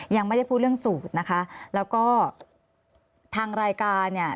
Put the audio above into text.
ยังไม่ได้พูดเรื่องสูตรนะคะแล้วก็ทางรายการเนี่ย